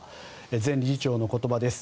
前理事長の言葉です。